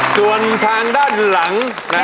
ส่วนทางด้านหลังนะครับ